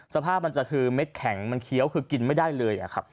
สภาพมันจะคือเม็ดแข็งมันเคี้ยวคือกินไม่ได้เลยครับ